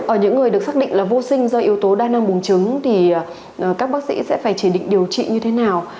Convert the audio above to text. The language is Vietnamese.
ở những người được xác định là vô sinh do yếu tố đa năng bùn trứng thì các bác sĩ sẽ phải chỉ định điều trị như thế nào